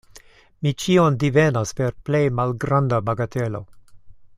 Mi ĉion divenas per plej malgranda bagatelo.